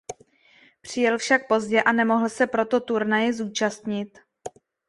Přijel však pozdě a nemohl se proto turnaje zúčastnit.